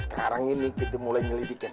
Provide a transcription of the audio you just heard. yaudah sekarang ini kita mulai nyelidikin